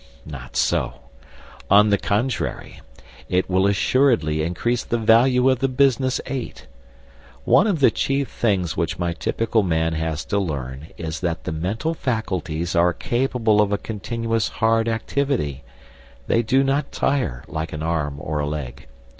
Not so. On the contrary, it will assuredly increase the value of the business eight. One of the chief things which my typical man has to learn is that the mental faculties are capable of a continuous hard activity; they do not tire like an arm or a leg.